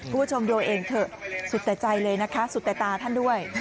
คุณผู้ชมดูเองเถอะสุดแต่ใจเลยนะคะสุดแต่ตาท่านด้วย